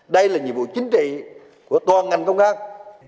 đây là nhiệm vụ chính trị của toàn ngành công an